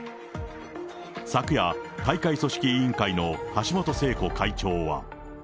昨夜、大会組織委員会の橋本聖子会長は。